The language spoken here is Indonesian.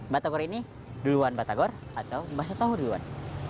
batagor ini duluan batagor atau bahasa tahu duluan